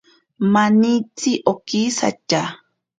Manitsi okisatya.